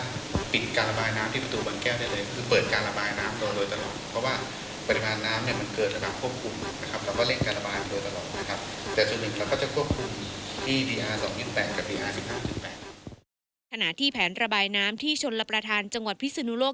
ทางห้าที่แผนระบายน้ำที่ชลพระธานจังหวัดพิศุนุโลก